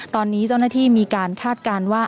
ตอนนี้เจ้าหน้าที่มีการคาดการณ์ว่า